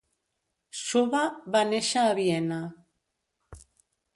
Schuba va néixer a Viena.